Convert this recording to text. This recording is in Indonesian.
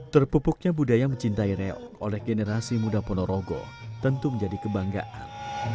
terpupuknya budaya mencintai reok oleh generasi muda ponorogo tentu menjadi kebanggaan